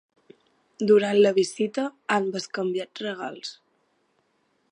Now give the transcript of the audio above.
Durant la visita han bescanviat regals.